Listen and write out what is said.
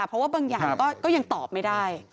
เพราะว่าบางอย่างก็ยังตอบไม่ได้